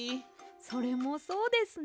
それもそうですね。